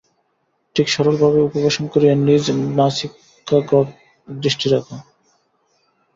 ঠিক সরলভাবে উপবেশন করিয়া নিজ নাসিকাগ্রে দৃষ্টি রাখো।